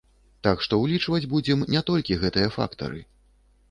Так што ўлічваць будзем не толькі гэтыя фактары.